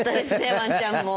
ワンちゃんも。